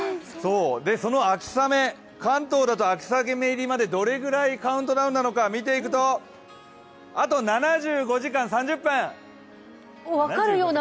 その秋雨、関東だと秋雨入りまでどれくらいカウントダウンか見ていくと、あと７５時間３０分。